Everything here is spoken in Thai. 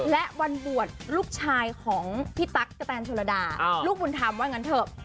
และวันบวชลูกชายของพี่ตั๊กกะแตนโชลดาลูกบุญธรรมว่างั้นเถอะ